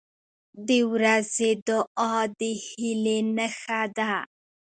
• د ورځې دعا د هیلې نښه ده.